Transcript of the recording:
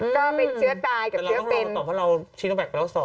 ต้องไปเชื้อตายกับเชื้อเป็นแต่เราต้องลองก่อเราชีโนแบคไปแล้วสอบ